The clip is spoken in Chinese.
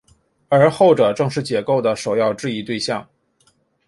而后者正是解构的首要质疑对象。